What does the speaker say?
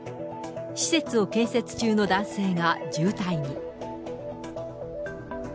施設を建設中の男性が重体に。